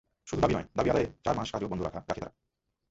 শুধু দাবি নয়, দাবি আদায়ে চার মাস কাজও বন্ধ রাখে তারা।